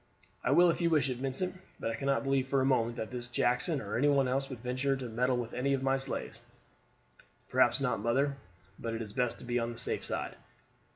"I will if you wish it, Vincent; but I cannot believe for a moment that this Jackson or any one else would venture to meddle with any of my slaves." "Perhaps not, mother; but it is best to be on the safe side.